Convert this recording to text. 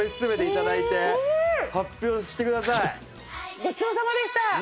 ごちそうさまでした！